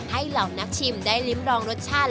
เหล่านักชิมได้ริมรองรสชาติ